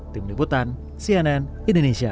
tim liputan cnn indonesia